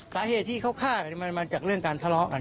สาเหตุที่เขาฆ่ามันมาจากเรื่องการทะเลาะกัน